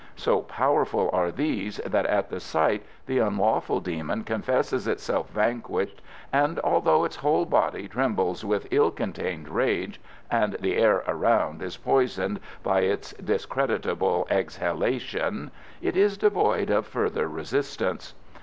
So powerful are these that at the sight the unlawful demon confesses itself vanquished, and although its whole body trembles with ill contained rage, and the air around is poisoned by its discreditable exhalation, it is devoid of further resistance.